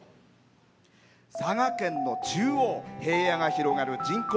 佐賀県の中央、平野が広がる人口